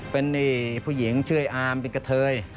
เป็นผู้หญิงชื่อไออาร์มเป็นกะเทย